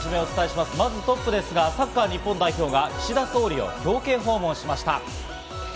まずトップですが、サッカー日本代表が岸田総理を表敬訪問しました。